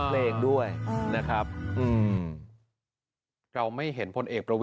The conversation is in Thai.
๔๐๕๐ราวดูแลเรื่องของของสาวครับ